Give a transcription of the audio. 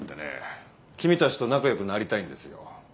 君たちと仲良くなりたいんですよ。